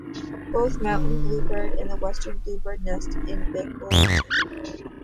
Both the mountain bluebird and the western bluebird nest in Bickleton.